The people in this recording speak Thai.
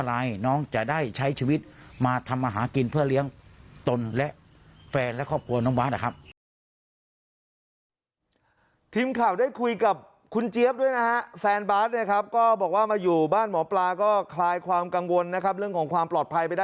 อ๋ออันนี้อย่างเดี๋ยวไม่ได้คิด